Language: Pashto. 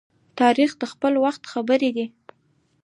تاریخ د خپل وخت خبره کوي.